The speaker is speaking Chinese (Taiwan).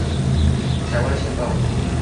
台灣縣道